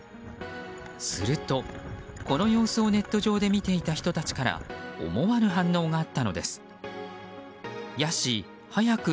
すると、この様子をネット上で見ていた人たちから思わぬ反応があったのです。